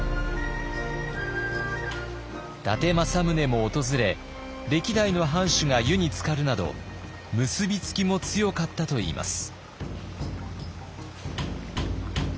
伊達政宗も訪れ歴代の藩主が湯につかるなど結び付きも強かったといいます。